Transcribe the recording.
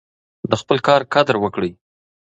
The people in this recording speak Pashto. د خپل کار قدر وکړئ.